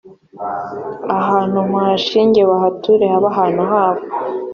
ahantu mpabashinge bahature habe ahantu habo